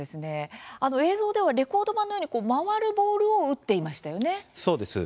映像ではレコード盤のように回るボールを打っていましたね。